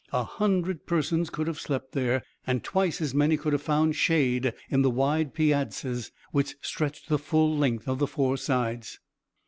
A hundred persons could have slept there, and twice as many could have found shade in the wide piazzas which stretched the full length of the four sides.